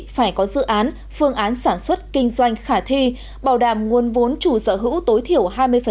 phải có dự án phương án sản xuất kinh doanh khả thi bảo đảm nguồn vốn chủ sở hữu tối thiểu hai mươi